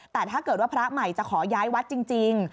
แต่ถ้าเกิดว่าพระใหม่จะขอย้ายวัดจริง